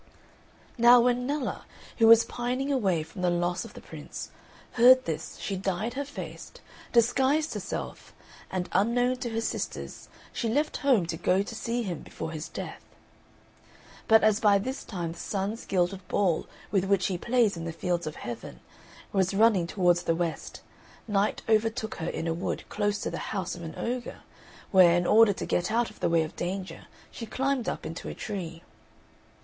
Now when Nella, who was pining away from the loss of the Prince, heard this she dyed her face, disguised herself, and unknown to her sisters she left home to go to see him before his death. But as by this time the Sun's gilded ball with which he plays in the Fields of Heaven, was running towards the west, night overtook her in a wood close to the house of an ogre, where, in order to get out of the way of danger, she climbed up into a tree.